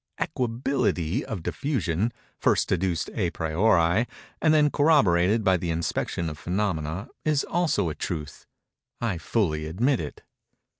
Equability of diffusion, first deduced à priori and then corroborated by the inspection of phænomena, is also a truth—I fully admit it.